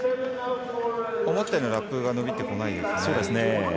思ったようにラップが伸びてこないですね。